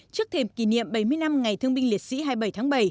trước thềm kỷ niệm bảy mươi năm ngày thương binh liệt sĩ hai mươi bảy tháng bảy